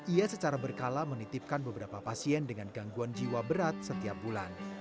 ia secara berkala menitipkan beberapa pasien dengan gangguan jiwa berat setiap bulan